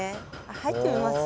入ってみます？